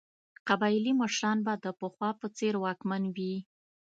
قبایلي مشران به د پخوا په څېر واکمن وي.